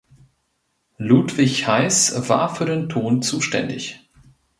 Ludwig Heiß war für den Ton zuständig.